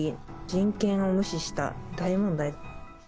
人権を無視した大問題。